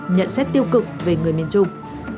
nhận xét tiêu cực về người miền trung